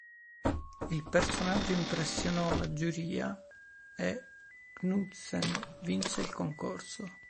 Il personaggio impressionò la giuria e Knudsen" "vinse il concorso.